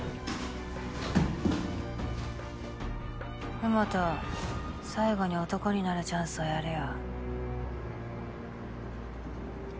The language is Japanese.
兎本最期に男になるチャンスをやるよ